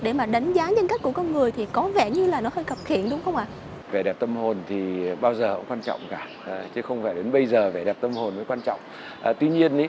đẹp tâm hồn mới quan trọng tuy nhiên